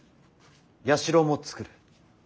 社も作る。